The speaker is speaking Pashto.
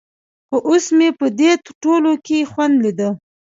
خو اوس مې په دې ټولو کښې خوند ليده.